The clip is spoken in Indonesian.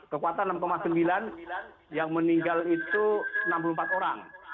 kekuatan enam sembilan yang meninggal itu enam puluh empat orang